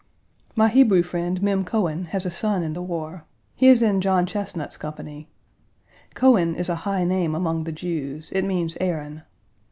Page 166 My Hebrew friend, Mem Cohen, has a son in the war. He is in John Chesnut's company. Cohen is a high name among the Jews: it means Aaron.